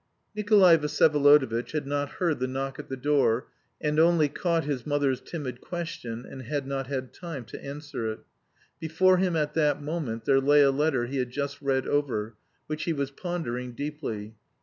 Nikolay Vsyevolodovitch had not heard the knock at the door, and only caught his mother's timid question, and had not had time to answer it. Before him, at that moment, there lay a letter he had just read over, which he was pondering deeply.